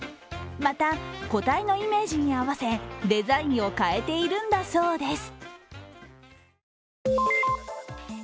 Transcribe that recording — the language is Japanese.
また個体のイメージに合わせデザインを変えているんだそうです。